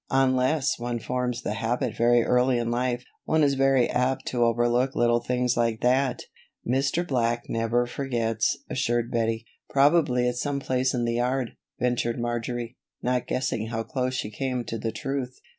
Unless one forms the habit very early in life, one is very apt to overlook little things like that." "Mr. Black never forgets," assured Bettie. "Probably it's some place in the yard," ventured Marjory, not guessing how close she came to the truth.